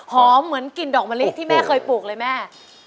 เหมือนกลิ่นดอกมะลิที่แม่เคยปลูกเลยแม่